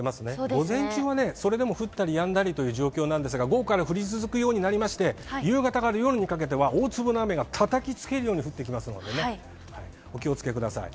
午前中はそれでも降ったりやんだりという状況なんですけど、午後から降り続くようになりまして、夕方から夜にかけては、大粒の雨がたたきつけるように降ってきますのでね、お気をつけください。